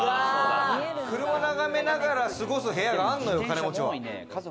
車眺めながら過ごす部屋があるのよ、金持ちは。